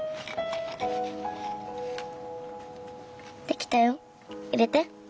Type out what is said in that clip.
できたよ。入れて。